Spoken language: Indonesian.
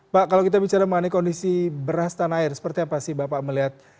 pak kalau kita bicara mengenai kondisi beras tanah air seperti apa sih bapak melihat